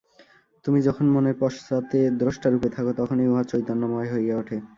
তুমি যখন মনের পশ্চাতে দ্রষ্টারূপে থাক, তখনই উহা চৈতন্যময় হইয়া উঠে।